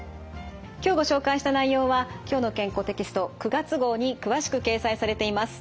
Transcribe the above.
今日ご紹介した内容は「きょうの健康」テキスト９月号に詳しく掲載されています。